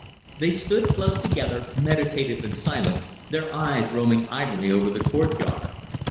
They stood close together, meditative and silent, their eyes roaming idly over the courtyard.